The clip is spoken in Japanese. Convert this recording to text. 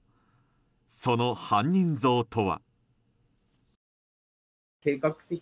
その犯人像とは。